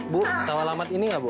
bu tahu alamat ini gak bu